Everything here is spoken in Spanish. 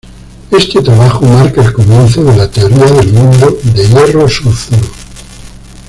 Este trabajo marca el comienzo de la teoría del mundo de hierro-sulfuro.